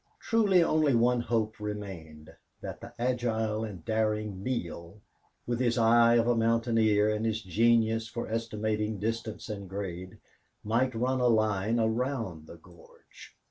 Truly only one hope remained that the agile and daring Neale, with his eye of a mountaineer and his genius for estimating distance and grade, might run a line around the gorge.